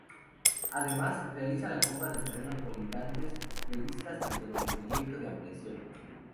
Además, realiza la compra de terrenos colindantes, previstas dentro del proyecto de ampliación.